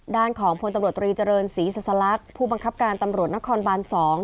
ด้านของพลตำโหลดตรีเจริญศรีษษลักษณ์ผู้บังคับการตำโหลดนครบานสอง